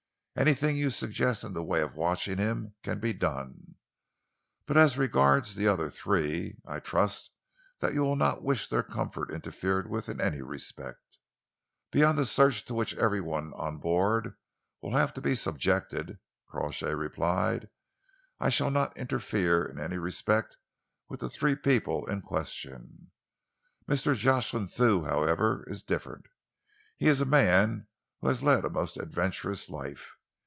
Anything you suggest in the way of watching him can be done. But as regards the other three, I trust that you will not wish their comfort interfered with in any respect." "Beyond the search to which every one on board will have to be subjected," Crawshay replied, "I shall not interfere in any respect with the three people in question. Mr. Jocelyn Thew, however, is different. He is a man who has led a most adventurous life.